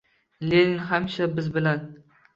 Lenin hamisha biz bilan!